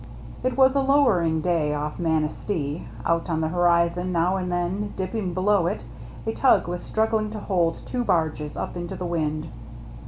It was a lowering day off Manistee. Out on the horizon, now and then dipping below it, a tug was struggling to hold two barges up into the wind.